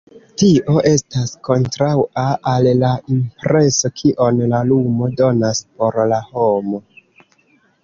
Tio estas kontraŭa al la impreso kion la lumo donas por la homo.